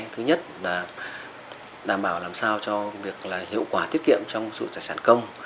thứ nhất là đảm bảo làm sao cho việc hiệu quả tiết kiệm trong sự trải sản công